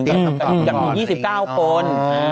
อย่างมี๒๙คน